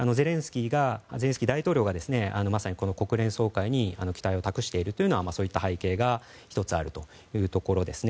ゼレンスキー大統領がまさに国連総会に期待を託しているのはそういった背景が１つ、あるというところですね。